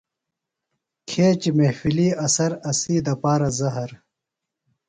کھیچیۡ محفلی اثر ، اسی دپارہ زہر